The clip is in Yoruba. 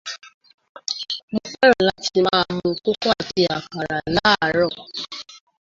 Mo fẹ́ràn láti máa mu kókó àti àkàrà láàárọ̀.